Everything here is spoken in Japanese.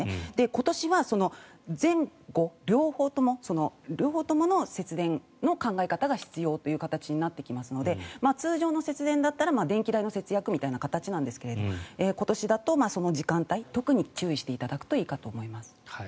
今年は前後両方ともの節電の考え方が必要という形になってきますので通常の節電だったら電気代の節約みたいな形ですが今年だとその時間帯に特に注意していただくといいかと思います。